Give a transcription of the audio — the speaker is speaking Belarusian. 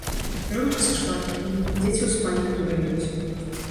Жонка сышла некуды, дзеці ў спальні дурэюць.